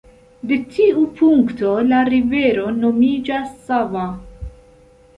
De tiu punkto la rivero nomiĝas Sava.